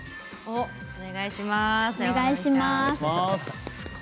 お願いします